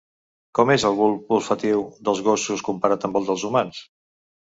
Com és el bulb olfactiu dels gossos comparat amb el dels humans?